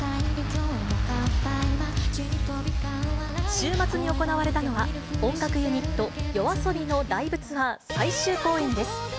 週末に行われたのは、音楽ユニット、ＹＯＡＳＯＢＩのライブツアー最終公演です。